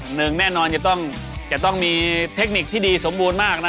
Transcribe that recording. หนึ่งแน่นอนจะต้องมีเทคนิคที่ดีสมบูรณ์มากนะ